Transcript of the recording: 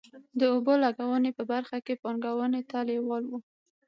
د اوبو لګونې په برخه کې پانګونې ته لېواله وو.